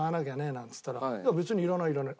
なんつったら「別にいらないいらない」。